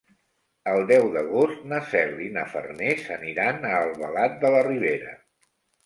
El deu d'agost na Cel i na Farners aniran a Albalat de la Ribera.